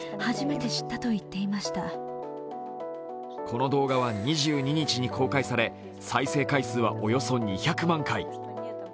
この動画は２２日に公開され再生回数はおよそ２００万回。